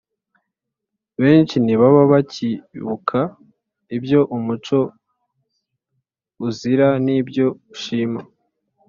benshi ntibaba bakibuka ibyo umuco uzira n’ibyo ushima.